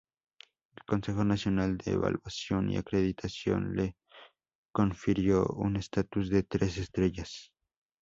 El Consejo Nacional de Evaluación y Acreditación le confirió un estatus de tres estrellas.